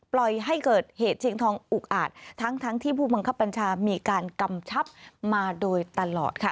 ปล่อยให้เกิดเหตุชิงทองอุกอาจทั้งทั้งที่ผู้บังคับบัญชามีการกำชับมาโดยตลอดค่ะ